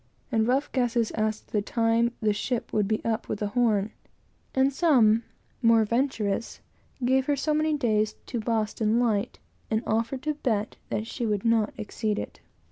and rough guesses as to the time the ship would be up with the Horn; and some, more venturous, gave her so many days to Boston light, and offered to bet that she would not exceed it.